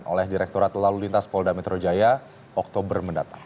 oleh direkturat lalu lintas polda metro jaya oktober mendatang